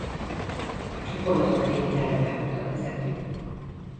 A csoportot két terapeuta vezeti.